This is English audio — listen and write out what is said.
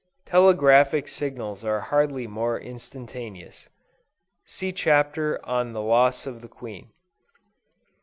Telegraphic signals are hardly more instantaneous. (See Chapter on the Loss of the Queen.)